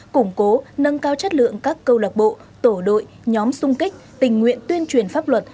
củng cố nâng cao chất lượng các câu lạc bộ tổ đội nhóm sung kích tình nguyện tuyên truyền pháp luật